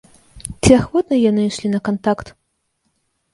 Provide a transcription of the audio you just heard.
Ці ахвотна яны ішлі на кантакт?